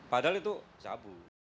padahal itu sabu